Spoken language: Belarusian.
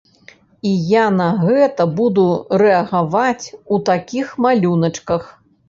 І я на гэта буду рэагаваць у такіх малюначках.